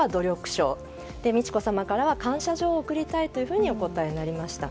賞美智子さまからは感謝状を贈りたいとお答えになられました。